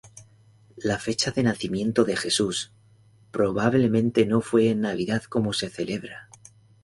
La fecha de nacimiento de Jesús probablemente no fue en Navidad como se celebra.